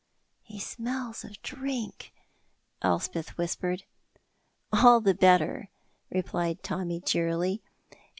"He smells o' drink," Elspeth whispered. "All the better," replied Tommy, cheerily.